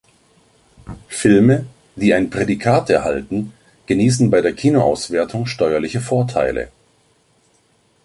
Filme, die ein Prädikat erhalten, genießen bei der Kinoauswertung steuerliche Vorteile.